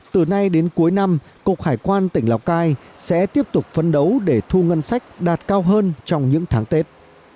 từ nay đến cuối năm cục hải quan tỉnh lào cai sẽ tiếp tục phấn đấu để thu ngân sách đạt cao hơn trong những tháng tết